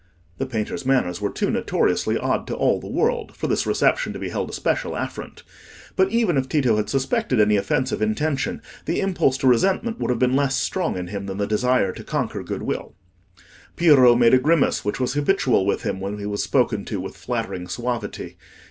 The painter's manners were too notoriously odd to all the world for this reception to be held a special affront; but even if Tito had suspected any offensive intention, the impulse to resentment would have been less strong in him than the desire to conquer goodwill. Piero made a grimace which was habitual with him when he was spoken to with flattering suavity.